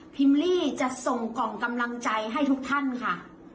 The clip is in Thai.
ลี่จะส่งกล่องกำลังใจให้ทุกท่านค่ะ